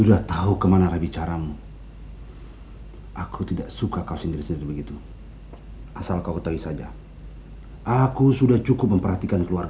dengan mas kawinnya perhiasan seberat seratus gram tunai